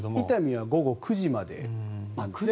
伊丹は午後９時まですね